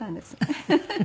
フフフフ。